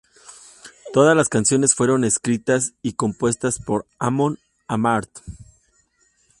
Todas las canciones fueron escritas y compuestas por Amon Amarth.